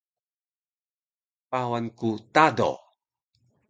Pawan ku Tado